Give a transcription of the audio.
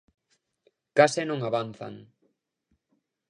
Case non avanzan.